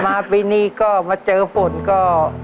มาปีนี้ก็มาเจอฝนก็